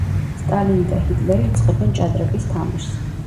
სტალინი და ჰიტლერი იწყებენ ჭადრაკის თამაშს.